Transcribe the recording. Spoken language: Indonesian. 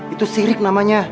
itu sirik namanya